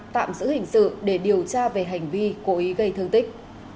tạm giữ hình sự để điều tra về hành vi cố ý gây thương tích